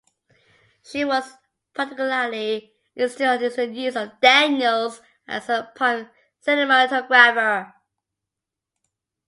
She was particularly insistent on the use of Daniels as her prime cinematographer.